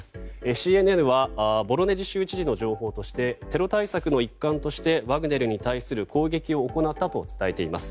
ＣＮＮはボロネジ州知事の情報としてテロ対策の一環としてワグネルに対する攻撃を行ったと伝えています。